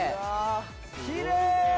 きれい！